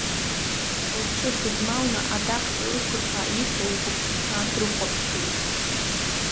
Лҽыргызмалны, адахҭа ықәырҭәаа иқәу лгәыԥҳәқәа дрыхәаԥшуеит.